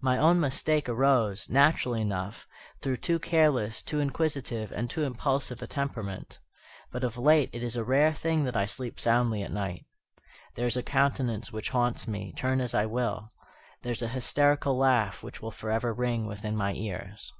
My own mistake arose, naturally enough, through too careless, too inquisitive, and too impulsive a temperament. But of late it is a rare thing that I sleep soundly at night. There is a countenance which haunts me, turn as I will. There is an hysterical laugh which will forever ring within my ears.